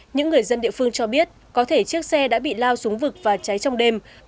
những người dân địa phương cho biết có thể chiếc xe đã bị lao xuống vực và cháy trong đêm